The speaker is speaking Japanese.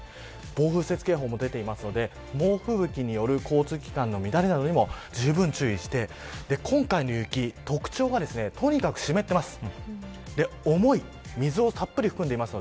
暴風雪警報も出ているので猛吹雪などによる交通機関の乱れにもじゅうぶん注意して今回の雪の特徴はとにかく湿っていて水をたっぷり含んでいて重い。